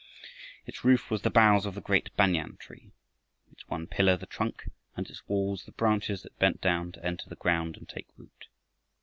Its roof was the boughs of the great banyan tree; its one pillar the trunk, and its walls the branches that bent down to enter the ground and take root.